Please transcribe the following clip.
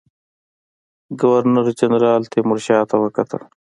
ګورنر جنرال تیمورشاه ته ولیکل.